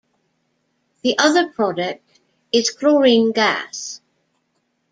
The other product is chlorine gas.